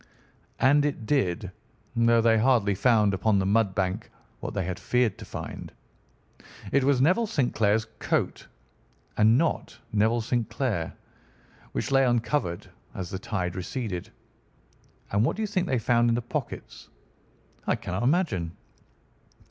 "And it did, though they hardly found upon the mud bank what they had feared to find. It was Neville St. Clair's coat, and not Neville St. Clair, which lay uncovered as the tide receded. And what do you think they found in the pockets?" "I cannot imagine."